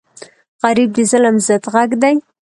غریب د ظلم ضد غږ دی